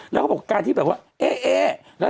แล้วก็พอพูดว่าการที่แบบว่าเอ๊ะ